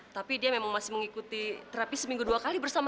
tapi dia memang masih mengikuti terapi seminggu dua kali bersama